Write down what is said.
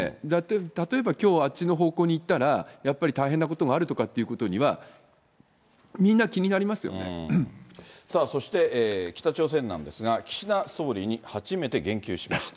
例えば、きょう、あっちの方向に行ったら、やっぱり大変なことがあるとかっていうことにはみんなさあ、そして、北朝鮮なんですが、岸田総理に初めて言及しました。